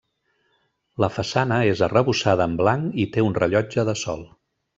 La façana és arrebossada en blanc i té un rellotge de sol.